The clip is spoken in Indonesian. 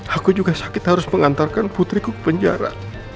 aku juga sakit harus mengantarkan putri ku ke penjara